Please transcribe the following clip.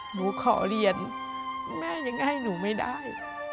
หนูขอเรียนแม่ยังให้หนูไม่ได้